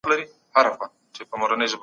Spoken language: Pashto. خلګ بايد انصاف وکړي.